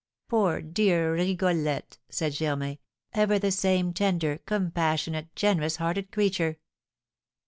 "Poor, dear Rigolette!" said Germain; "ever the same tender, compassionate, generous hearted creature!"